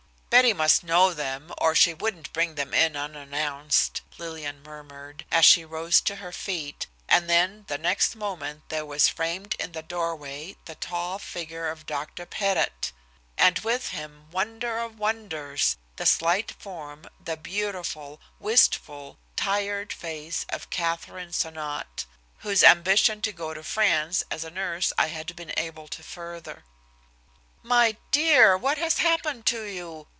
"Betty must know them or she wouldn't bring them in unannounced," Lillian murmured, as she rose to her feet, and then the next moment there was framed in the doorway the tall figure of Dr. Pettit. And with him, wonder of wonders! the slight form, the beautiful, wistful, tired face of Katharine Sonnot, whose ambition to go to France as a nurse I had been able to further. "My dear, what has happened to you?"